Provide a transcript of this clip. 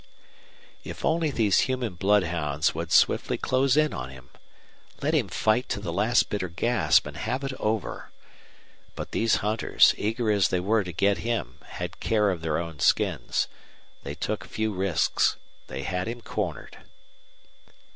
If only these human bloodhounds would swiftly close in on him! Let him fight to the last bitter gasp and have it over! But these hunters, eager as they were to get him, had care of their own skins. They took few risks. They had him cornered.